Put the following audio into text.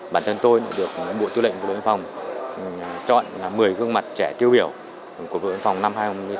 bản thân tôi được bộ tư lệnh bộ đội biên phòng chọn là một mươi gương mặt trẻ tiêu biểu của bộ đội biên phòng năm hai nghìn một mươi sáu